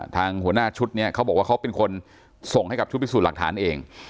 หัวหน้าชุดนี้เขาบอกว่าเขาเป็นคนส่งให้กับชุดพิสูจน์หลักฐานเอง